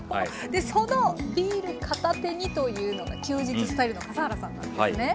でそのビール片手にというのが休日スタイルの笠原さんなんですね。